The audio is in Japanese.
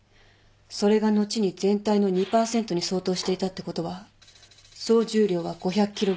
それが後に全体の２％に相当していたってことは総重量は５００ｋｇになる。